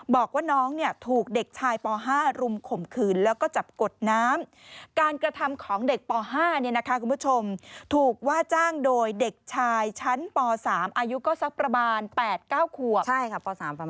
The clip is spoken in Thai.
บอกว่าน้องเนี่ยถูกเด็กชายป๕รุมข่มขืนแล้วก็จับกดน้ำการกระทำของเด็กป๕เนี่ยนะคะคุณผู้ชมถูกว่าจ้างโดยเด็กชายชั้นป๓อายุก็สักประมาณ๘๙ขวบใช่ค่ะป๓ประมาณ